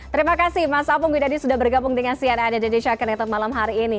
terima kasih mas apung widadi sudah bergabung dengan cnnn jadid syakir yang tetap malam hari ini